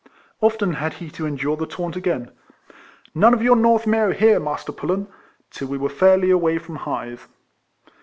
Often had he to endure the taunt again, ''''None of your North Mayho here, Master Pullen T^ till we were fairly away from Hythe.